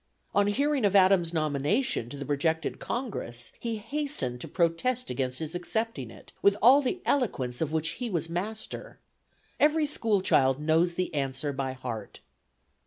On hearing of Adams' nomination to the projected Congress, he hastened to protest against his accepting it, with all the eloquence of which he was master. Every school child knows the answer by heart.